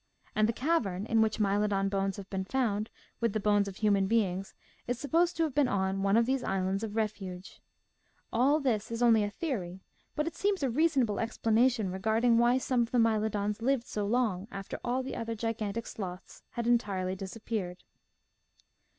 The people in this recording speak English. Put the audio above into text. And the cavern in which Mylodon bones have been found with the bones of human beings is supposed to have been on one of these islands of refuge. All this is only theory, but it seems a reasonable explanation re garding why some of the 'Mylodons lived so long after all the other gigantic sloths had entirely disappeared.